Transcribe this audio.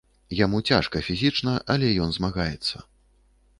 Яму цяжка фізічна, але ён змагаецца.